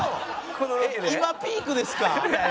今ピークですか？